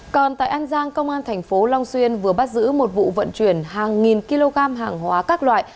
còn tại an giang công an thành phố long xuyên vừa bắt giữ một vụ vận chuyển hàng nghìn kg hàng hóa các loại